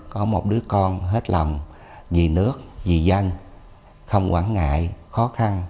có một đứa con hết lòng vì nước vì dân không quản ngại khó khăn